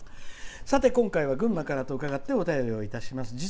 さて、今回は群馬からと伺って、お便りをします。